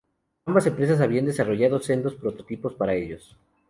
Ambas empresas habían desarrollado sendos prototipos para ello.